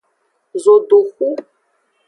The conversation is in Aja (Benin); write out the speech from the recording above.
Zodohu.